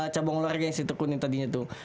cabang olahraga yang si tukunin tadinya tuh